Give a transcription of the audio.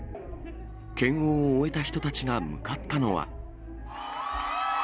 検温を終えた人たちが向かったのは。